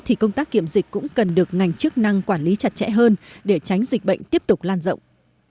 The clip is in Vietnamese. thì công tác kiểm dịch cũng cần được ngành chức năng quản lý chặt chẽ hơn để tránh dịch bệnh tiếp tục lan rộng